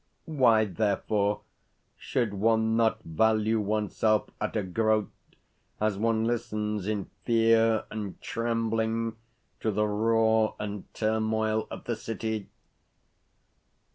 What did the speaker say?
Why, therefore, should one not value oneself at a groat as one listens in fear and trembling to the roar and turmoil of the city?